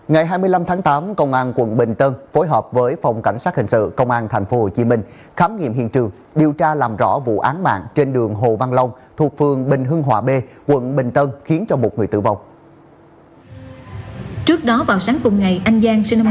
ngày hai mươi năm tháng tám công an quận bình tân phối hợp với phòng cảnh sát hình sự công an tp hcm khám nghiệm hiện trường điều tra làm rõ vụ án mạng trên đường hồ văn long thuộc phường bình hưng hòa b quận bình tân khiến cho một người tử vong